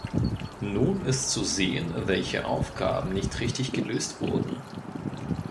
Nun ist zu sehen, welche Aufgaben nicht richtig gelöst wurden.